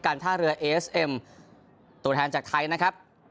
ท่าเรือเอสเอ็มตัวแทนจากไทยนะครับ